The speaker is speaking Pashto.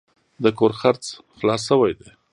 د کور خرڅ خلاص شوی دی.